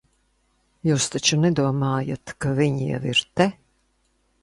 Jūs taču nedomājat, ka viņi jau ir te?